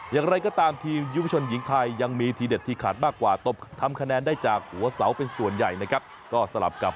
อย่างไรก็ตามทีมยุพชนหญิงไทยยังมีทีเด็ดที่ขาดมากกว่าตบทำคะแนนได้จากหัวเสาเป็นส่วนใหญ่นะครับก็สลับกับ